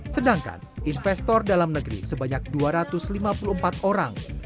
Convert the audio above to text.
sedangkan investor dalam negeri sebanyak dua ratus lima puluh empat orang